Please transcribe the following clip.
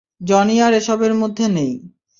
Johnny আর এসবের মধ্যে নেই।